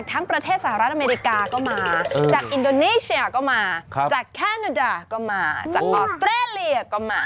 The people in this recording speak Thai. ประเทศสหรัฐอเมริกาก็มาจากอินโดนีเชียก็มาจากแคนาดาก็มาจากออสเตรเลียก็มา